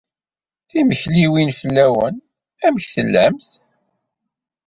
Timekliwin fell-awen. Amek tellamt?